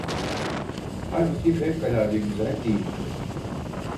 Halbuki fevkalâde güzel değildi.